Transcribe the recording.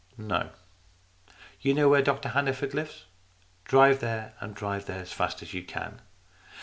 "No. You know where Dr Hanneford lives? Drive there, and drive as fast as you can."